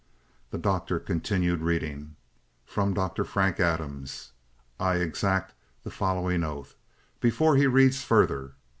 The Doctor continued reading: "'From Dr. Frank Adams, I exact the following oath, before he reads further.